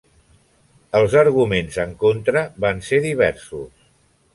Els arguments en contra van ser diversos.